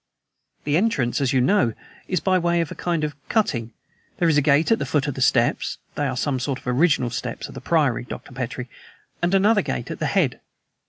"The entrance, as you know, is by the way of a kind of cutting. There is a gate at the foot of the steps (they are some of the original steps of the priory, Dr. Petrie), and another gate at the head."